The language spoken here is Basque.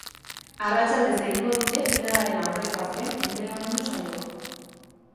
Arratsaldez egingo dute finalaren aurreko azken entrenamendu saioa.